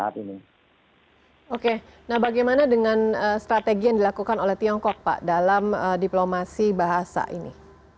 nah bagaimana dengan strategi yang dilakukan oleh tiongkok pak dalam diplomasi bahasa ini